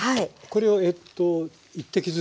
これをえっと１滴ずつ？